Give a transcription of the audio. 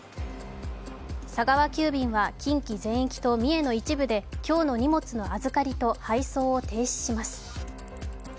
佐川急便は近畿全域と三重の一部で今日の荷物の預かりと配送を中止します。